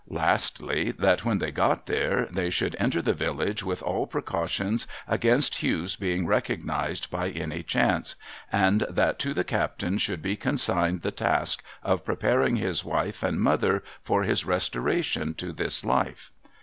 Lastly, that when they got there they should enter the village with all precautions against Hugh's being recognised by any chance; and that to the captain should be consigned the task of preparing his wife and mother for his restoration to this life.